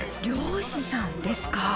猟師さんですか。